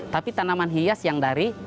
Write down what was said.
tapi tanaman hias yang dari